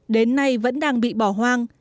đến nay vẫn đang bị bỏ hoang